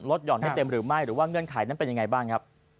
หย่อนให้เต็มหรือไม่หรือว่าเงื่อนไขนั้นเป็นยังไงบ้างครับ